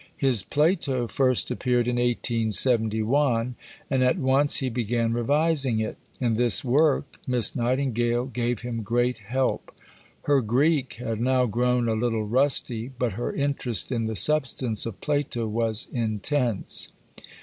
His Plato first appeared in 1871, and at once he began revising it. In this work Miss Nightingale gave him great help. Her Greek had now grown a little rusty, but her interest in the substance of Plato was intense.